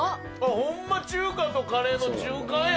ほんま中華とカレーの中間や。